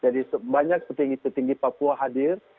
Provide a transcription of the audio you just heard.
jadi banyak petinggi petinggi papua hadir